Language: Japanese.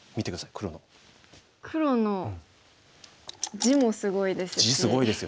黒の地もすごいですし。